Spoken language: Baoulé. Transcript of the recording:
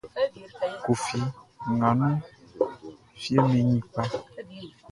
Koffi nga nunʼn, fieʼm be ɲin kpa.